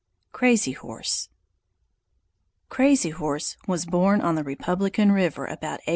CRAZY HORSE Crazy Horse was born on the Republican River about 1845.